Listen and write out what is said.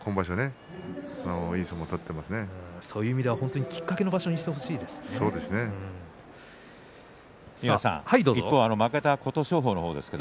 そういう意味ではきっかけの場所にして一方負けた琴勝峰です。